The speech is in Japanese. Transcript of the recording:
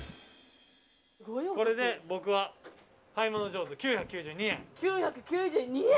これで僕は買い物上手９９２円。